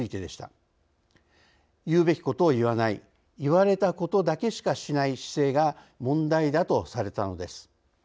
言うべきことを言わない言われたことだけしかしない姿勢が問題だとされたのです。